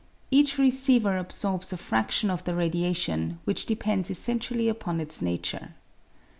Each receiver absorbs a fraction of the radiation, which depends essentially upon its nature.